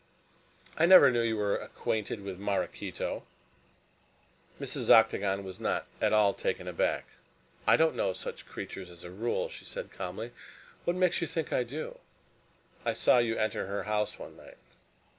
"I never knew you were acquainted with Maraquito!" Mrs. Octagon was not at all taken aback. "I don't know such creatures as a rule," she said calmly. "What makes you think I do?" "I saw you enter her house one night."